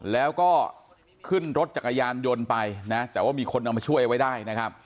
แล้วก็ขึ้นรถจักรยานยนต์ไปแต่ว่ามีคนทำมาช่วยไว้ได้